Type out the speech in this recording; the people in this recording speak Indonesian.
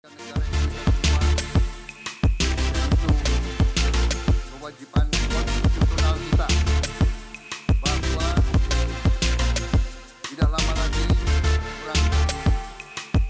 sejarah ini semua yaitu kewajiban untuk jurnal kita bahwa tidak lama lagi perangkapi